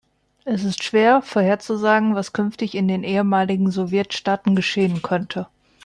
Es ist schwer, vorherzusagen, was künftig in den ehemaligen Sowjetstaaten geschehen könnte.